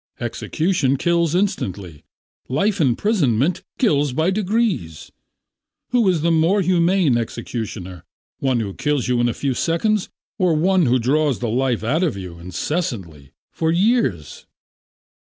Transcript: Execution kills instantly, life imprisonment kills by degrees. Who is the more humane executioner, one who kills you in a few seconds or one who draws the life out of you incessantly, for years?"